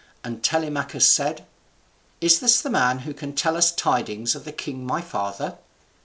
And Telemachus said, "Is this the man who can tell us tidings of the king my father?"